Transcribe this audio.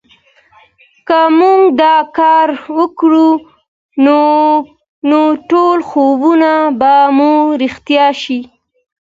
که مو دا کار وکړ نو ټول خوبونه به مو رښتيا شي